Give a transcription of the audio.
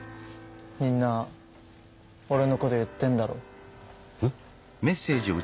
みんなオレのこと言ってんだろう？え？